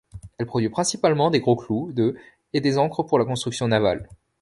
Elle produit principalement des gros clous de et des ancres pour la construction navale.